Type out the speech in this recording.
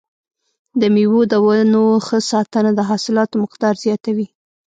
د مېوو د ونو ښه ساتنه د حاصلاتو مقدار زیاتوي.